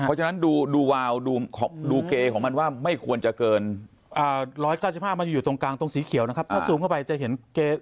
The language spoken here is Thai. เพราะฉะนั้นดูวาวดูเกย์ของมันว่าไม่ควรจะเกิน